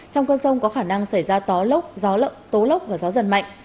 trong cơn rông có khả năng xảy ra tó lốc gió lậm tố lốc và gió giật mạnh